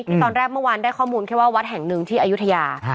ตอนแรกเมื่อวานได้ข้อมูลแค่ว่าวัดแห่งหนึ่งที่อายุทยา